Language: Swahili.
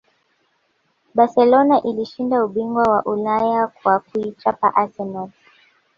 barcelona ilishinda ubingwa wa ulaya kwa kuichapa arsenal